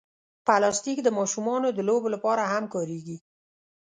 پلاستيک د ماشومانو د لوبو لپاره هم کارېږي.